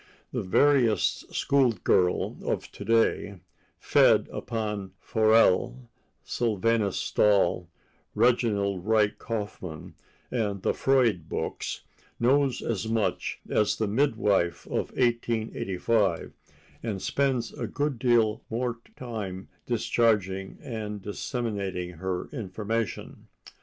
The veriest school girl of to day, fed upon Forel, Sylvanus Stall, Reginald Wright Kauffman and the Freud books, knows as much as the midwife of 1885, and spends a good deal more time discharging and disseminating her information.